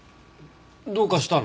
どうかしたの？